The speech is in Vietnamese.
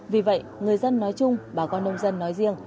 vì vậy người dân nói chung bà con nông dân nói riêng